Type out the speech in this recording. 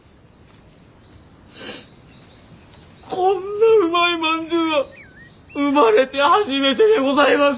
こんなうまいまんじゅうは生まれて初めてでございます！